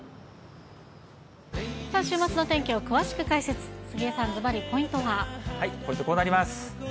週末の天気を詳しく解説、ポイント、こうなります。